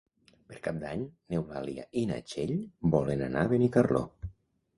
Per Cap d'Any n'Eulàlia i na Txell volen anar a Benicarló.